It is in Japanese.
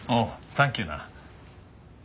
サンキューな。